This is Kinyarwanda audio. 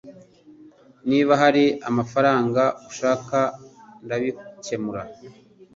Niba hari amafaranga ushaka ndabikemura